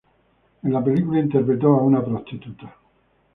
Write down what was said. En la película interpretó a una prostituta.